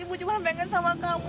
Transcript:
ibu cuma pengen sama kamu